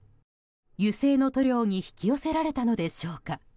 油性の塗料に引き寄せられたのでしょうか。